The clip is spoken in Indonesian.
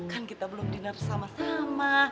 kan kita belum dinner sama sama